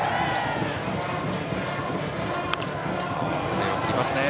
腕を振りますね。